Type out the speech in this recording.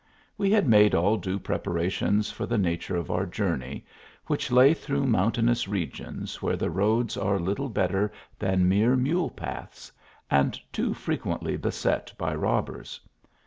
We had made all due preparations for the nature of our journey, which lay through moun tainous regions where the roads are little better than mere mule paths, and too frequently beset by robbers.